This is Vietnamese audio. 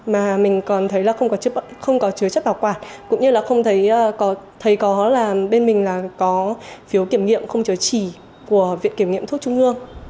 mà mình còn thấy là không có chứa chất bảo quả cũng như là không thấy có thấy có là bên mình là có phiếu kiểm nghiệm không chứa chỉ của viện kiểm nghiệm thuốc trung hương